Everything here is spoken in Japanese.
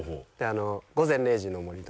「午前０時の森」とか。